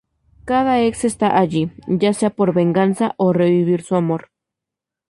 Cada ex esta allí, ya sea por venganza o revivir su amor.